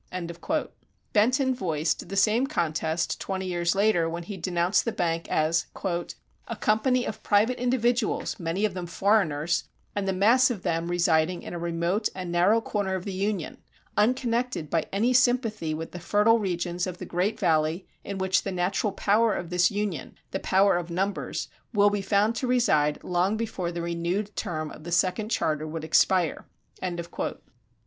Benton voiced the same contest twenty years later when he denounced the bank as a company of private individuals, many of them foreigners, and the mass of them residing in a remote and narrow corner of the Union, unconnected by any sympathy with the fertile regions of the Great Valley in which the natural power of this Union, the power of numbers, will be found to reside long before the renewed term of the second charter would expire.